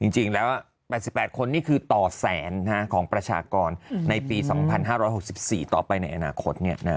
จริงแล้ว๘๘คนนี่คือต่อแสนของประชากรในปี๒๕๖๔ต่อไปในอนาคต